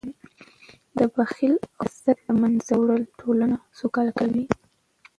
د بخل او حسد له منځه وړل ټولنه سوکاله کوي.